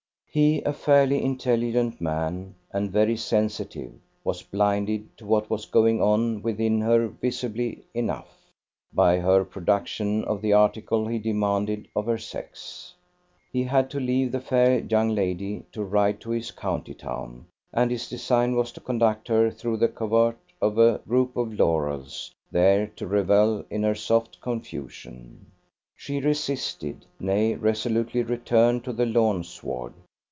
He, a fairly intelligent man, and very sensitive, was blinded to what was going on within her visibly enough, by her production of the article he demanded of her sex. He had to leave the fair young lady to ride to his county town, and his design was to conduct her through the covert of a group of laurels, there to revel in her soft confusion. She resisted; nay, resolutely returned to the lawn sward.